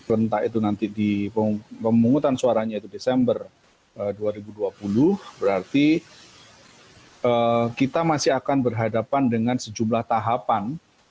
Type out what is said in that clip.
selentak itu nanti di pemungutan suaranya itu desember dua ribu dua puluh berarti kita masih akan berhadapan dengan sejumlah tahapan